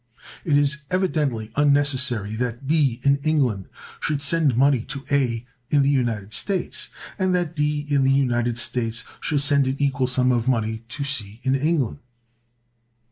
It is evidently unnecessary that B in England should send money to A in the United States, and that D in the United States should send an equal sum of money to C in England.